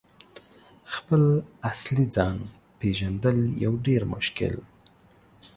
» خپل اصلي ځان « پیژندل یو ډیر مشکل